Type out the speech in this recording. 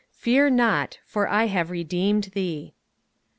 "Fear not, for I have redeemed thee."